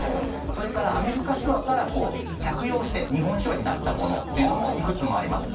それからアメリカ手話から借用して日本手話になったものっていうのもいくつもあります。